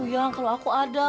yang kalau aku ada